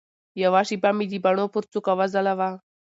یوه شېبه مي د باڼو پر څوکه وځلوه